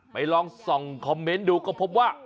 ลองส่องคอมเมนต์ดูก็พบว่า